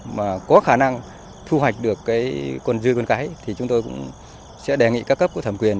mà có khả năng thu hoạch được cái con dươ con cái thì chúng tôi cũng sẽ đề nghị các cấp của thẩm quyền